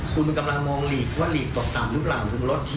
คุณกำลังมองหลีกว่าหลีกตกต่ำหรือเปล่าถึงลดที